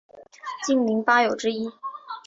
竟陵八友之一。